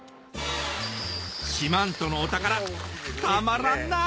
四万十のお宝たまらんなぁ